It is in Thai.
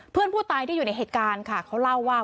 เพื่อนผู้ตายที่อยู่ในเหตุการณ์ค่ะเขาเล่าว่า